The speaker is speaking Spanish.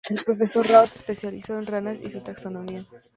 El profesor Rao se especializó en ranas y su taxonomía.